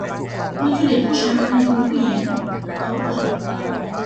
มันคือเด็กผู้ชาย คุณผู้หญิง เขากล่าว